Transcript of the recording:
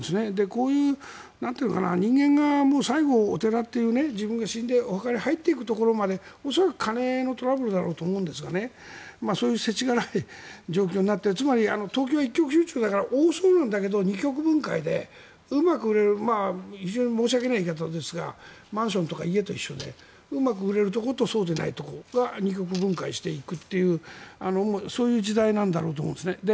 こういう人間が最後、お寺という自分が死んでお墓に入っていくところまで恐らく金のトラブルだろうと思うんですがそういう世知辛い状況になってつまり東京一極集中だから多そうなんだけど２極分解で、うまく非常に申し訳ない言い方だけどマンションとか家と一緒でうまく売れるところとそうでないところが２極分解していくというそういう時代なんだと思うんですね。